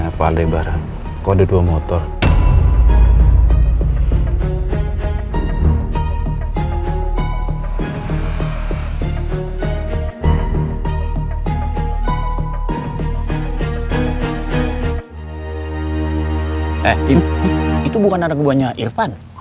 apa ada yang barang